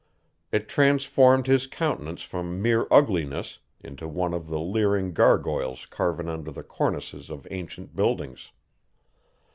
It transformed his countenance from mere ugliness into one of the leering gargoyles carven under the cornices of ancient buildings.